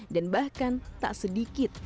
dan bahkan tak sedikit